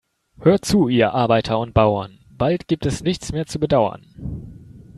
Hört zu, ihr Arbeiter und Bauern, bald gibt es nichts mehr zu bedauern.